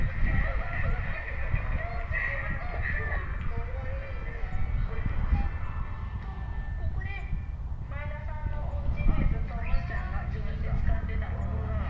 かわいいね。とここで前田さんのおうちでずっとむぅちゃんがうちにいて使ってたものなんですよ。